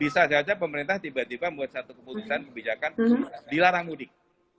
bisa saja pemerintah tiba tiba membuat satu keputusan kebijakan dilarang mudik